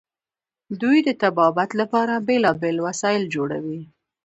دوی د طبابت لپاره بیلابیل وسایل جوړوي.